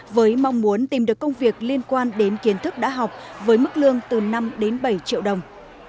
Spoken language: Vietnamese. với mong muốn tìm được công việc liên quan đến kiến thức đã học với mức lương từ năm đến bảy triệu đồng